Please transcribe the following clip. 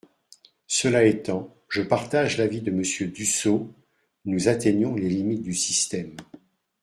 Cela étant, je partage l’avis de Monsieur Dussopt : nous atteignons les limites du système.